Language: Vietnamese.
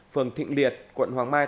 phường thịnh liệt quận hoàng mai